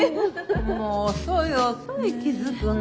もう遅い遅い気付くの。